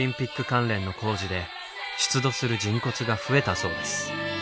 関連の工事で出土する人骨が増えたそうです。